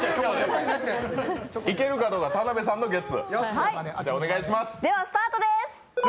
いけるか田辺さんのゲッツ。